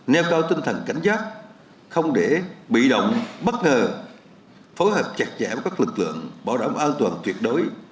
nêu cao tinh thần cảnh giác không để bị động bất ngờ phối hợp chặt chẽ với các lực lượng bảo đảm an toàn tuyệt đối